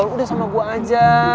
udah sama gue aja